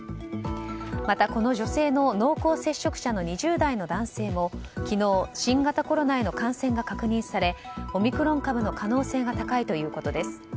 また、この女性の濃厚接触者の２０代の男性も昨日、新型コロナへの感染が確認されオミクロン株の可能性が高いということです。